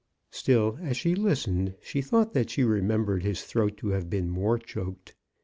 Still as she listened she thought that she remem bered his throat to have been more choked.